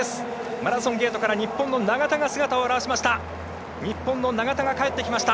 マラソンゲートから日本の永田が姿を現しました。